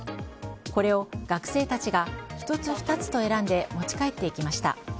これを学生たちが１つ２つと選んで持ち帰っていきました。